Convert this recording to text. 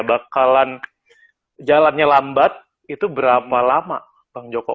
bakalan jalannya lambat itu berapa lama bang joko